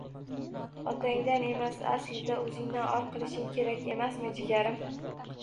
Otangdan emas, aslida o'zingdan or qilishing kerak emasmi, jigarim